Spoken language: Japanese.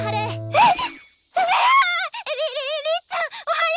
えっ？